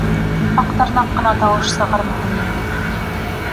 Аҡтырнаҡ ҡына тауыш сығармаһын инде.